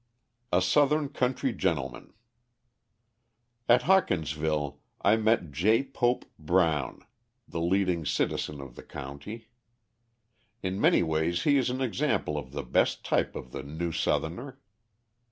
A Southern Country Gentleman At Hawkinsville I met J. Pope Brown, the leading citizen of the county. In many ways he is an example of the best type of the new Southerner.